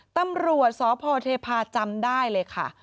ตำรวจสพเทพาจำได้เลยค่ะ